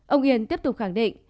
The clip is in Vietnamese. ông yên tiếp tục khẳng định